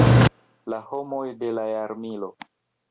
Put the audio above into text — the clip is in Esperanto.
La homoj de la jarmilo.